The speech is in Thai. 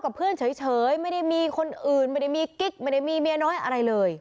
กับเพื่อนเฉยไม่ได้มีคนอื่นไม่ได้มีกิ๊กไม่ได้มีเมียน้อยอะไรเลย